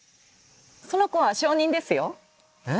その子は小人ですよ。え？